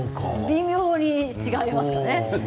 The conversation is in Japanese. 微妙に違いますね。